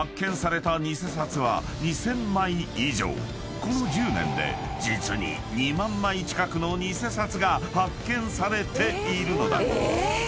［この１０年で実に２万枚近くの偽札が発見されているのだ］